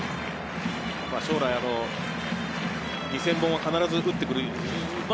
将来２０００本を必ず打ってくれる。